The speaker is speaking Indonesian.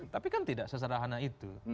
tapi kan tidak seserahana itu